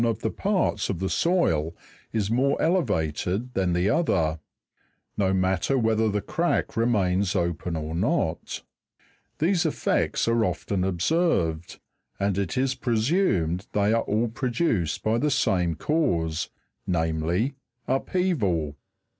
159 Fig , 255, of the parts of the soil is more elevated than the other, no matter whether the crack remains open or not. These effects are often observed, ad it is presumed they are all produced by the same cause, namely, upheaval.